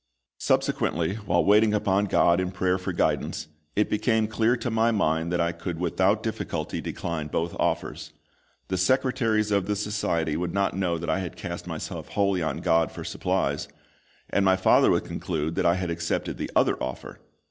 Subsequently, while waiting upon GOD in prayer for guidance, it became clear to my mind that I could without difficulty decline both offers. The secretaries of the Society would not know that I had cast myself wholly on GOD for supplies, and my father would conclude that I had accepted the other offer.